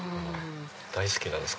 大好きなんです